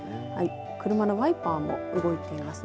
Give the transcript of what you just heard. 車のワイパーも動いていますね。